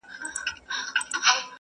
غټ ښنګوري یې پر ځای وه د منګولو -